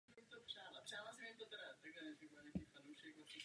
Kromě vlastní literární tvorby se také věnuje překladům.